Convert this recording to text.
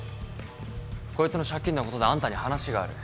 こいつの借金のことであんたに話がある。